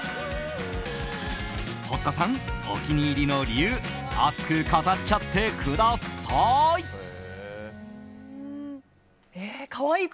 堀田さん、お気に入りの理由熱く語っちゃってください。